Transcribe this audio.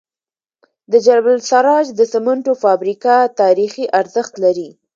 د جبل السراج د سمنټو فابریکه تاریخي ارزښت لري.